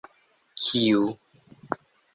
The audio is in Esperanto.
kiu